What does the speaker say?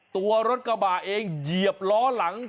ตัวรถกระบะเองเหยียบล้อหลัง